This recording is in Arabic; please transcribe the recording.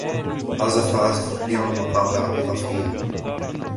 عزف عازف البيانو مقاطع إضافية.